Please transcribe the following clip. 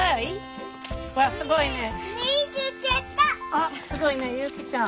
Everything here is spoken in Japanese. あっすごいねゆきちゃん。